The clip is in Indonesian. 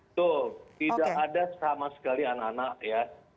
betul tidak ada sama sekali anak anak ya